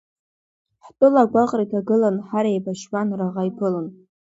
Ҳтәыла агәаҟра иҭагылан, ҳар еибашьуан раӷа иԥылан.